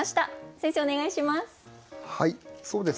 先生お願いします。